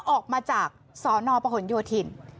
ออกมาจากสอนอประขวนโยธิน